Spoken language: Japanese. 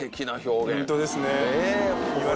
本当ですね。